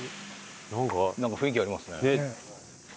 なんか雰囲気ありますね。